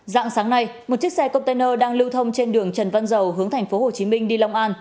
dạng sáng nay một chiếc xe container đang lưu thông trên đường trần văn dầu hướng thành phố hồ chí minh đi long an